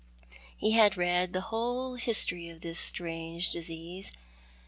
He had read the whole history of this strange disease.